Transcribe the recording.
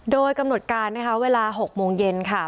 โดยกำหนดการนะคะเวลา๖โมงเย็นค่ะ